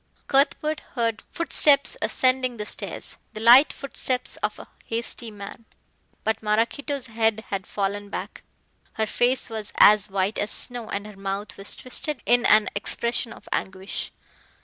Cuthbert heard footsteps ascending the stairs the light footsteps of a hasty man. But Maraquito's head had fallen back, her face was as white as snow and her mouth was twisted in an expression of anguish.